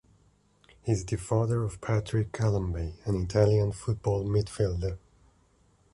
He is the father of Patrick Kalambay, an Italian football midfielder.